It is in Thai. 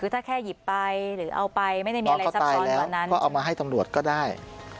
ถ้าแค่หยิบไปหรือเอาไปก็เอามาให้ตำรวจก็ได้